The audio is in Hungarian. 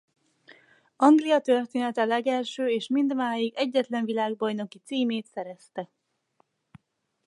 Anglia története legelső és mindmáig egyetlen világbajnoki címét szerezte.